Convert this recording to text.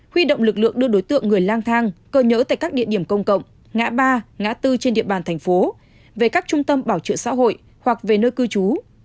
huy động lực lượng đưa đối tượng người lang thang cơ nhỡ tại các địa điểm công cộng ngã ba ngã tư trên địa bàn thành phố về các trung tâm bảo trợ xã hội hoặc về nơi cư trú